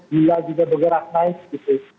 bila juga bergerak naik gitu